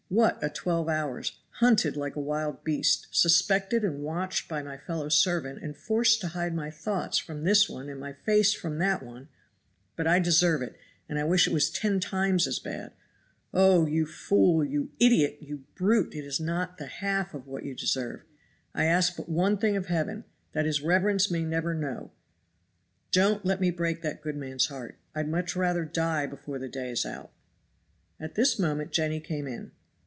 What a twelve hours! hunted like a wild beast, suspected and watched by my fellow servant and forced to hide my thoughts from this one and my face from that one; but I deserve it and I wish it was ten times as bad. Oh! you fool you idiot you brute it is not the half of what you deserve. I ask but one thing of Heaven that his reverence may never know; don't let me break that good man's heart; I'd much rather die before the day is out!" At this moment Jenny came in.